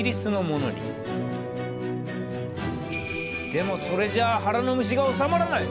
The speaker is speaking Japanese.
でもそれじゃ腹の虫が治まらない。